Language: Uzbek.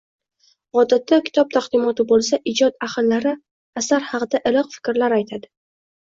Odatda, kitob taqdimoti bo‘lsa, ijod ahllari asar haqida iliq fikrlar aytadi.